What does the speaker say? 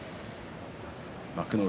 幕内